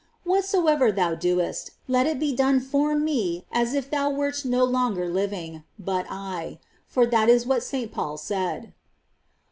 Whatsoever thou doest, let it be done for Me as if thou wert no longer living, but I ; foi* tliat is what S. Paul said."